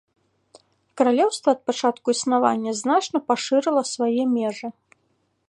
Каралеўства ад пачатку існавання значна пашырыла свае межы.